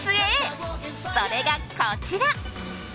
それがこちら。